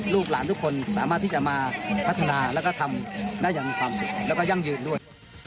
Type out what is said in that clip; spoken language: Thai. ลูกหลานทุกคนสามารถที่จะมาพัฒนาแล้วก็ทำได้อย่างมีความสุขแล้วก็ยั่งยืนด้วย